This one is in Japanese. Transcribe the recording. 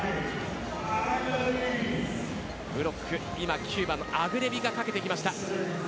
ブロック、９番のアグレビがかけていきました。